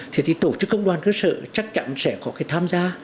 thế thì tổ chức công đoàn cơ sở chắc chắn sẽ có cái tham gia